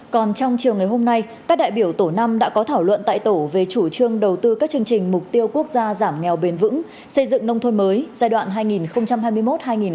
còn trong chiều ngày hôm nay các đại biểu tổ năm đã có thảo luận tại tổ về chủ trương đầu tư các chương trình mục tiêu quốc gia giảm nghèo bền vững xây dựng nông thôn mới giai đoạn hai nghìn hai mươi một hai nghìn ba mươi